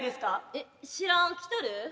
え知らん。来とる？